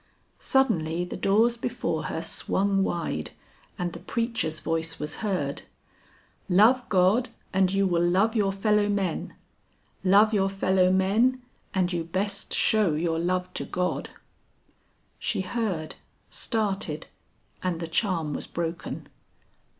Suddenly the doors before her swung wide and the preacher's voice was heard: "Love God and you will love your fellow men. Love your fellow men and you best show your love to God." She heard, started, and the charm was broken.